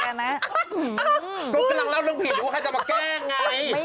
ก็กำลังเล่าเรื่องผีอยู่ว่าใครจะมาแกล้งไง